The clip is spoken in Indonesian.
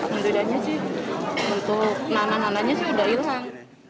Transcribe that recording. tapi penduduknya sih untuk nanak nanaknya sih udah hilang